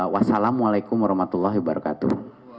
wassalamualaikum warahmatullahi wabarakatuh